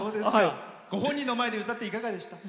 ご本人の前で歌っていかがでした？